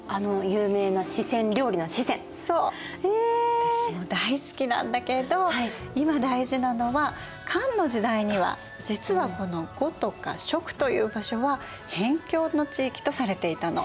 私も大好きなんだけど今大事なのは漢の時代には実はこの呉とか蜀という場所は辺境の地域とされていたの。